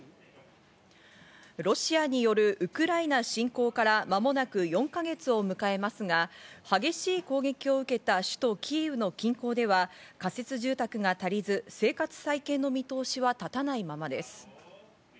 ロシアによるウクライナ侵攻から間もなく４か月を迎えますが、激しい攻撃を受けた首都キーウの近郊では、仮設住宅が足りず、生活再建の見通しは立たないままです。